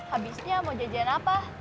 habisnya mau jajan apa